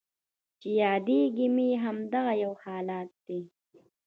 چې یادیږي مې همدغه یو حالت دی